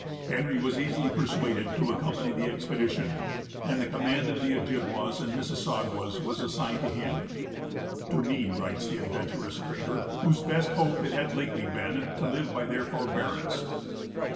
Henry was easily persuaded to accompany the expedition; and the command of the Ojibwas and Mississaugas was assigned to him——"To me," writes the adventurous trader, "whose best hope it had lately been to live by their forbearance."